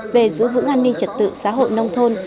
về giữ vững an ninh trật tự xã hội nông thôn